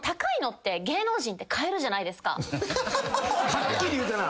はっきり言うたな。